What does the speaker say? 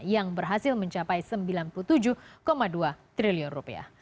yang berhasil mencapai sembilan puluh tujuh dua triliun rupiah